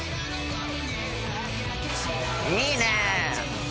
いいね！